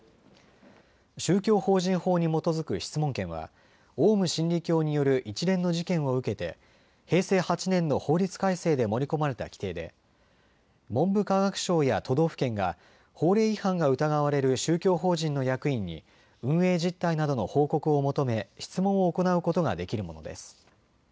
宗教法人法に基づく質問権はオウム真理教による一連の事件を受けて平成８年の法律改正で盛り込まれた規定で文部科学省や都道府県が法令違反が疑われる宗教法人の役員に運営実態などの報告を求め質問を行うことができるものです。